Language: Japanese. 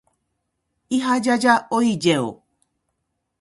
いはじゃじゃおいじぇお。